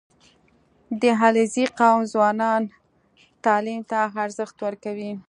• د علیزي قوم ځوانان تعلیم ته ارزښت ورکوي.